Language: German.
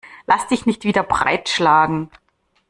Lass dich nicht wieder breitschlagen.